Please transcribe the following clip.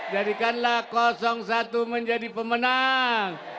jadikanlah satu menjadi pemenang